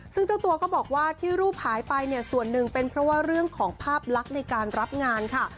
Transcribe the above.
ซึ่งเจ้าตัวก็บอกว่าที่รูปหายไปเนี่ยส่วนหนึ่งเป็นเพราะว่าเรื่องของภาพลักษณ์ในการรับงานค่ะ